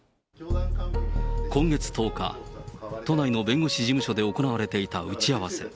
今月１０日、都内の弁護士事務所で行われていた打ち合わせ。